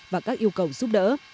và các yêu cầu giúp đỡ